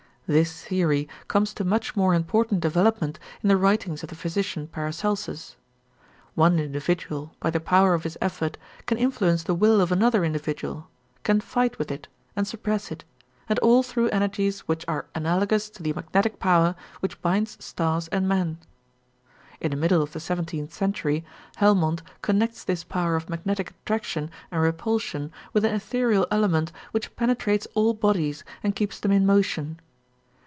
This theory comes to much more important development in the writings of the physician Paracelsus. One individual by the power of his effort can influence the will of another individual, can fight with it, and suppress it; and all through energies which are analogous to the magnetic power which binds stars and men. In the middle of the seventeenth century, Helmont connects this power of magnetic attraction and repulsion with an ethereal element which penetrates all bodies and keeps them in motion.